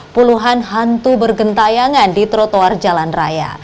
puluhan hantu bergentayangan di trotoar jalan raya